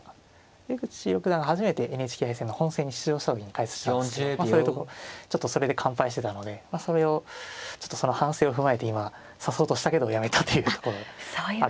出口六段が初めてＮＨＫ杯戦の本戦に出場した時に解説したんですけどそういうところちょっとそれで完敗してたのでそれをちょっとその反省を踏まえて今指そうとしたけどやめたというところがあるかもしれないですね。